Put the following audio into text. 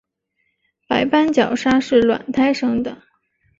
白斑角鲨是卵胎生的。